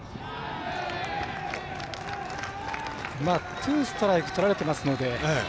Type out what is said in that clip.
ツーストライクとられてますので。